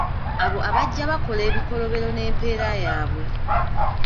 Abo abajja bakola ebikolobero n’empeera yaabwe